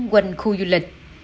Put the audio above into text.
quanh khu du lịch